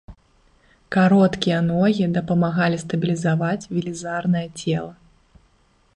Кароткія ногі дапамагалі стабілізаваць велізарнае цела.